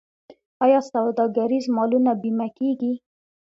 آیا سوداګریز مالونه بیمه کیږي؟